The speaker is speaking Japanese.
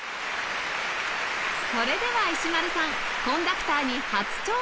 それでは石丸さんコンダクターに初挑戦です！